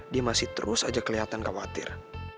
dia masih terus saja kelihatan khawatir